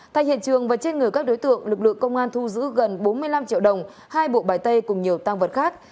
thay hiện trường và trên người các đối tượng lực lượng công an thu giữ gần bốn mươi năm triệu đồng hai bộ bài tay cùng nhiều tăng vật khác